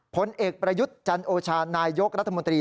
ผลเอกประยุทธ์จันโอชานายกรัฐมนตรี